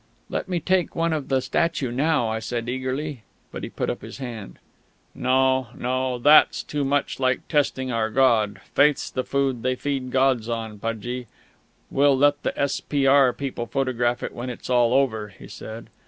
"Let me take one of the statue now," I said eagerly. But he put up his hand. "No, no. That's too much like testing our god. Faith's the food they feed gods on, Pudgie. We'll let the S.P.R. people photograph it when it's all over," he said.